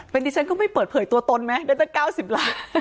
เป็นดิฉันก็ไม่เปิดเผยตัวตนไหมได้ตั้ง๙๐ล้าน